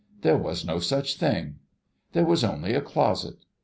There was no such thing. There was only a closet.